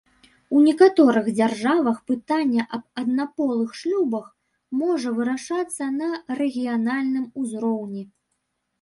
У некаторых дзяржавах пытанне аб аднаполых шлюбах можа вырашацца на рэгіянальным узроўні.